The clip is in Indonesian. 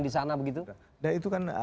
di sana begitu dan itu kan